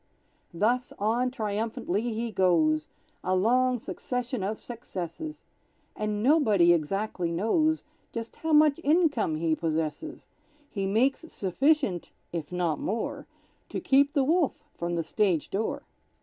Thus on triumphantly he goes, A long succession of successes, And nobody exactly knows Just how much income he possesses; He makes sufficient (if not more) To keep the wolf from the stage door.